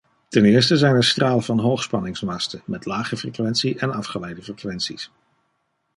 Ten eerste zijn er stralen van hoogspanningsmasten met lage frequentie en afgeleide frequenties.